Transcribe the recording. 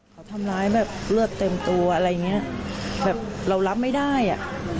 เขาทำร้ายแบบเลือดเต็มตัวอะไรอย่างเงี้ยแบบเรารับไม่ได้อ่ะ